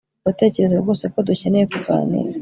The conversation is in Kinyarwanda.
Ndatekereza rwose ko dukeneye kuganira